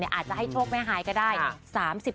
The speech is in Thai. อาจจะให้โชคแม่ฮายก็ได้